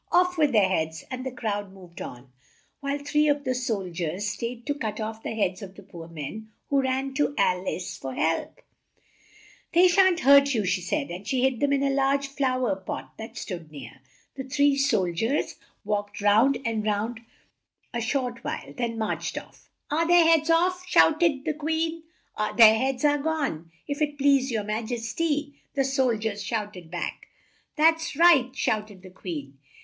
"Off with their heads!" and the crowd moved on, while three of the sol diers stayed to cut off the heads of the poor men, who ran to Al ice for help. "They shan't hurt you," she said, as she hid them in a large flow er pot that stood near. The three sol diers walked round and looked for them a short while, then marched off. "Are their heads off?" shout ed the Queen. "Their heads are gone, if it please your ma jes ty," the sol diers shouted back. "That's right!" shouted the Queen.